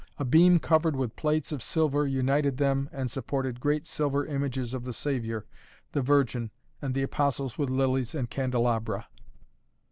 A beam covered with plates of silver united them and supported great silver images of the Saviour, the Virgin and the Apostles with lilies and candelabra.